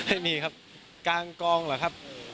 อันนี้ครับกลางกล้องเหรอครับ